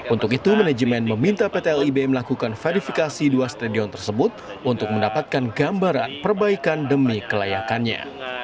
untuk itu manajemen meminta pt lib melakukan verifikasi dua stadion tersebut untuk mendapatkan gambaran perbaikan demi kelayakannya